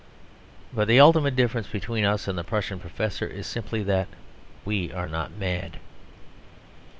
But the ultimate difference between us and the Prussian professor is simply that we are not mad.